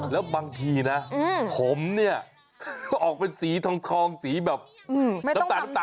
แล้วบางทีนะผมเนี่ยก็ออกเป็นสีทองสีแบบน้ำตาลน้ำตาล